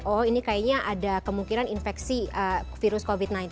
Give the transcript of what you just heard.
oh ini kayaknya ada kemungkinan infeksi virus covid sembilan belas